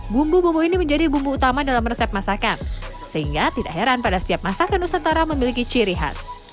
bumbu bumbu ini menjadi bumbu utama dalam resep masakan sehingga tidak heran pada setiap masakan nusantara memiliki ciri khas